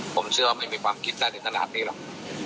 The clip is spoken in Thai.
ผมเชื่อว่าไม่มีความคิดได้ถึงขนาดนี้หรอก